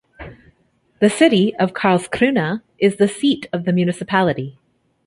The city of Karlskrona is the seat of the municipality.